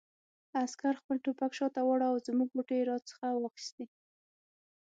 عسکر خپل ټوپک شاته واړاوه او زموږ غوټې یې را څخه واخیستې.